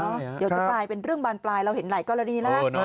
เดี๋ยวจะปลายเป็นเรื่องบานปลายเราเห็นไหล่ก็แล้วนี้แหละ